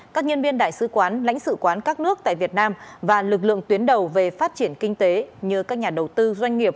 các nhân viên đại sứ quán lãnh sự quán các nước tại việt nam và lực lượng tuyến đầu về phát triển kinh tế như các nhà đầu tư doanh nghiệp